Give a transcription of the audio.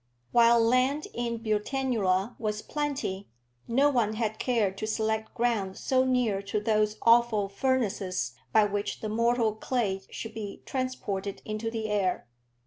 While land in Britannula was plenty, no one had cared to select ground so near to those awful furnaces by which the mortal clay should be transported into the air.